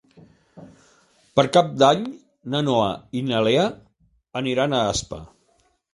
Per Cap d'Any na Noa i na Lea aniran a Aspa.